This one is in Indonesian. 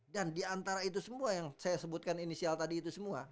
dan diantara itu semua yang saya sebutkan inisial tadi itu semua